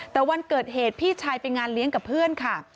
แต่วันเกิดเหตุพี่ชายไปงานเลี้ยงกับเพื่อนค่ะ